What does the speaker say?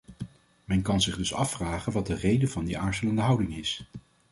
Men kan zich dus afvragen wat de reden van die aarzelende houding is.